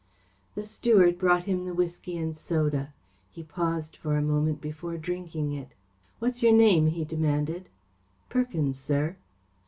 The steward brought him the whisky and soda. He paused for a moment before drinking it. "What's your name?" he demanded. "Perkins, sir."